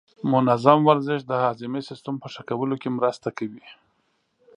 منظم ورزش د هاضمې سیستم په ښه کولو کې مرسته کوي.